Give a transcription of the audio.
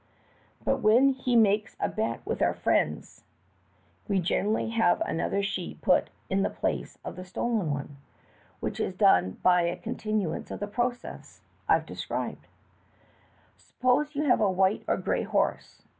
But when he makes a bet with our friends we generally have another sheet put in the place of the stolen one, 292 THE TALKING HANDKERCHIEF. which is done by a continuance of the process I 've described. "Suppose you have a white or gray horse.